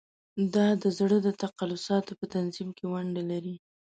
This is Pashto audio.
دا د زړه د تقلصاتو په تنظیم کې ونډه لري.